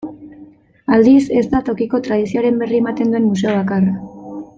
Aldiz, ez da tokiko tradizioaren berri ematen duen museo bakarra.